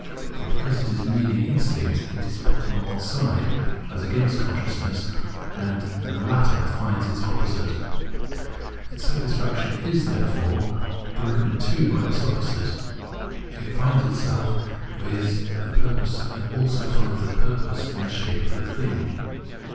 But because it is merely instinct, it is put on one side as against consciousness, and in the latter finds its opposite. Its satisfaction is, therefore, broken in two by this 252 Phenomenology of Mind opposite ; it finds itself, viz. the purpose, and also finds this purpose in the shape of a thing.